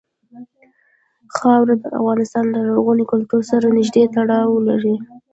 خاوره د افغانستان له لرغوني کلتور سره نږدې تړاو لري.